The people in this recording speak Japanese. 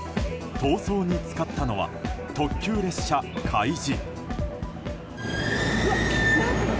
逃走に使ったのは特急列車「かいじ」。